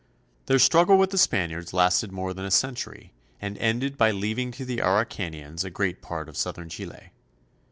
Their struggle with the Spaniards lasted more than a century, and ended by leaving to the Araucanians a great part of southern Chile.